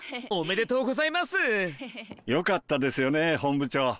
おめでとうございます。よかったですよね本部長。